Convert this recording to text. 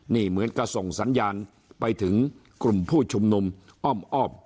นี่เหมือนกับส่งสัญญาณไปถึงกลุ่มผู้ชุมนุมอ้อม